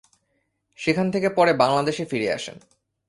সেখান থেকে পরে বাংলাদেশে ফিরে আসেন।